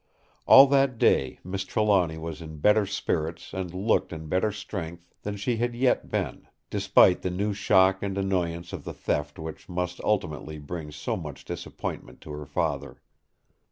All that day Miss Trelawny was in better spirits and looked in better strength than she had yet been, despite the new shock and annoyance of the theft which must ultimately bring so much disappointment to her father.